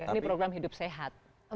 ini program hidup sehat